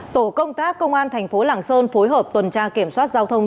tổ công tác công an tp lạng sơn phối hợp tuần tra kiểm soát giao thông